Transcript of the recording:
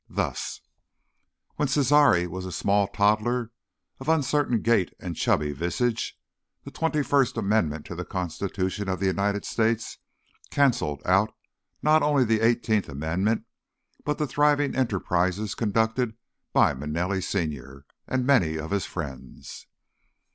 Thus: When Cesare was a small toddler of uncertain gait and chubby visage, the Twenty First Amendment to the Constitution of the United States canceled out not only the Eighteenth Amendment, but the thriving enterprises conducted by Manelli, Sr., and many of his friends.